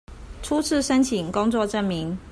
初次申請工作證明